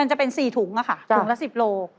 มันจะเป็น๔ถุงน่ะค่ะถุงละ๑๐โล